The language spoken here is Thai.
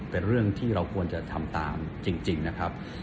เป็นเรื่องที่เราควรจะทำตามจริงนะครับ